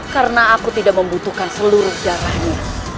karena aku tidak membutuhkan seluruh jarahnya